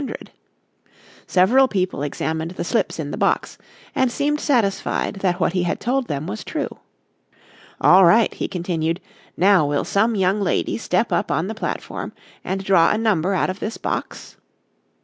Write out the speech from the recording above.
Several people examined the slips in the box and seemed satisfied that what he had told them was true. "All right," he continued. "Now will some young lady step up on the platform and draw a number out of this box?"